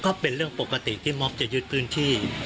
ก็เป็นเรื่องปกติที่มอบจะยึดพื้นที่